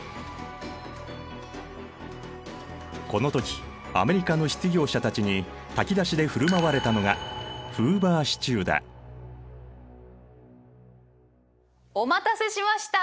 この時アメリカの失業者たちに炊き出しで振る舞われたのがお待たせしました！